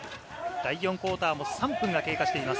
第４クオーターも３分が経過しています。